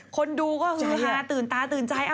คนดูก็ภาระตื่นตาตื่นใจ